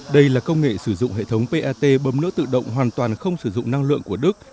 đây là công nghệ sử dụng hệ thống pet bấm nửa tự động hoàn toàn không sử dụng năng lượng của đức